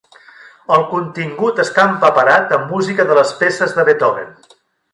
El contingut està empaperat amb música de les peces de Beethoven.